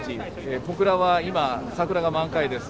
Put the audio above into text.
小倉は今桜が満開です。